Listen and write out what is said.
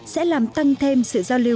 sẽ làm tăng thêm sự giao lưu